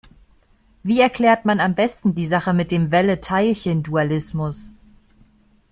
Wie erklärt man am besten die Sache mit dem Welle-Teilchen-Dualismus?